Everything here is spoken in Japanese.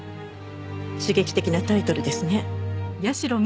刺激的なタイトルですね。